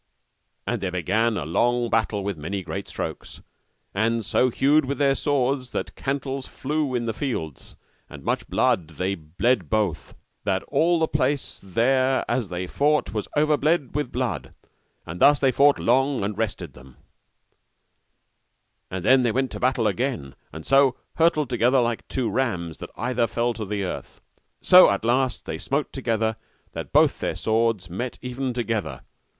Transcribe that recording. And there began a strong battle with many great strokes, and so hewed with their swords that the cantels flew in the fields, and much blood they bled both, that all the place there as they fought was overbled with blood, and thus they fought long and rested them, and then they went to the battle again, and so hurtled together like two rams that either fell to the earth. So at the last they smote together that both their swords met even together.